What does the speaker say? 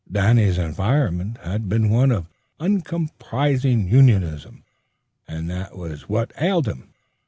Danny's environment had been one of uncompromising unionism, and that was what ailed him.